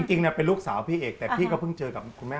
จริงเป็นลูกสาวพี่เอกแต่พี่ก็เพิ่งเจอกับคุณแม่